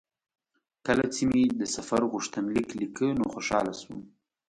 کله چې مې د سفر غوښتنلیک لیکه نو خوشاله شوم.